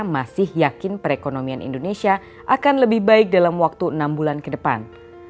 masih yakin perekonomian indonesia akan lebih baik dalam waktu enam bulan ke depan